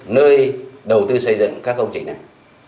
nơi đầu tư xây dựng các công trình này